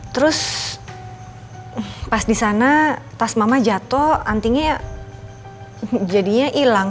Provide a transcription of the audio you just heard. terus pas di sana tas mama jatuh antinya ya jadinya hilang